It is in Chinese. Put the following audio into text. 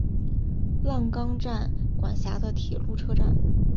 浪冈站管辖的铁路车站。